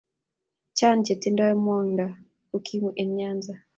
Chan che tindo mwonda ukimu en nyanza